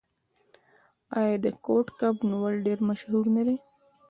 آیا د کوډ کب نیول ډیر مشهور نه و؟